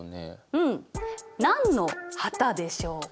うん何の旗でしょうか？